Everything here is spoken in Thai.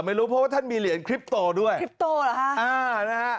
ไม่รู้เพราะว่าท่านมีเหรียญคลิปโตด้วยคลิปโตเหรอฮะอ่านะฮะ